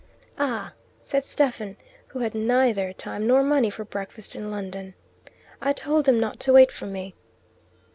"Ah!" said Stephen, who had had neither time nor money for breakfast in London. "I told them not to wait for me."